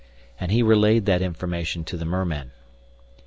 And he relayed that information to the mermen.